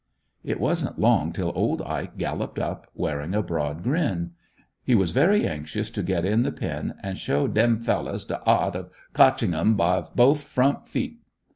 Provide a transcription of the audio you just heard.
It wasn't long till old Ike galloped up, wearing a broad grin. He was very anxious to get in the pen and show "dem fellers de art of cotching um by boaf front feet."